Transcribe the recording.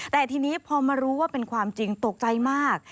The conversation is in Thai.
แต่ทีนี้พอมารู้ว่าเป็นความจริงตกใจมาก